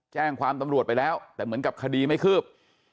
แจ้งความตำรวจไปแล้วแต่เหมือนกับคดีไม่คืบ